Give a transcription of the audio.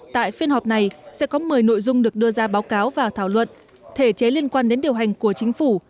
tại phiên họp này sẽ có một mươi nội dung được đưa ra báo cáo và thảo luận thể chế liên quan đến điều hành của chính phủ